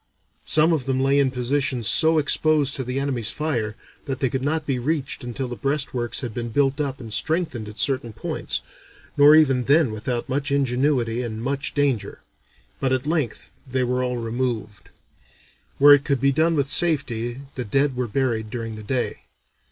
Some of them lay in positions so exposed to the enemy's fire that they could not be reached until the breastworks had been built up and strengthened at certain points, nor even then without much ingenuity and much danger; but at length they were all removed. Where it could be done with safety, the dead were buried during the day.